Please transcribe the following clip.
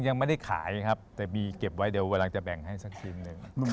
ยังไม่ได้ขายครับแต่มีเก็บไว้เดี๋ยวเวลาจะแบ่งให้สักชิ้นหนึ่ง